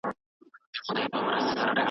په روزنیزو ورکشاپونو کي عملي کارونه کېږي.